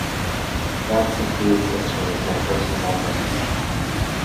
That secluded sister is my first remembrance.